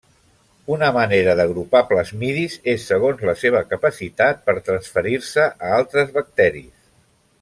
Una manera d'agrupar plasmidis és segons la seva capacitat per transferir-se a altres bacteris.